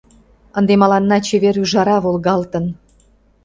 Ынде мыланна чевер ӱжара волгалтын!